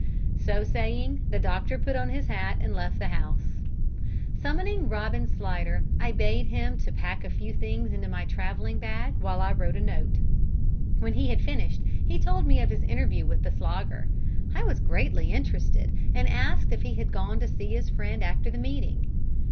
So saying, the doctor put on his hat and left the house. Summoning Robin Slidder, I bade him pack a few things into my travelling bag while I wrote a note. When he had finished he told me of his interview with the Slogger. I was greatly interested, and asked if he had gone to see his friend after the meeting.